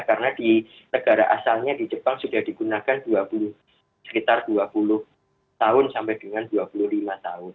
karena di negara asalnya di jepang sudah digunakan sekitar dua puluh tahun sampai dengan dua puluh lima tahun